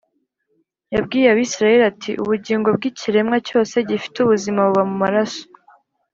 yabwiye Abisirayeli ati ubugingo bw ikiremwa cyose gifite ubuzima buba mu maraso